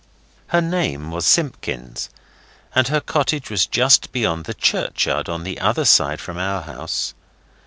Her name was Simpkins, and her cottage was just beyond the churchyard, on the other side from our house.